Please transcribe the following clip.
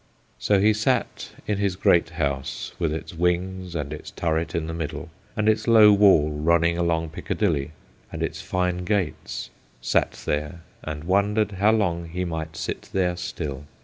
So he sat in his great house, with its wings and its turret in the middle, and its low wall running along Piccadilly, and its fine gates ; sat there and wondered how long he might sit there still.